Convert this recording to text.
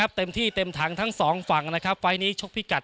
พร้อมเต็มที่ครับค่อยนี้ครับ